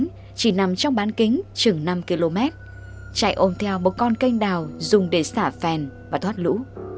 nhưng chỉ nằm trong bán kính chừng năm km chạy ôm theo một con canh đào dùng để xả phèn và thoát lũ